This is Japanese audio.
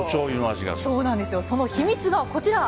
その秘密がこちら。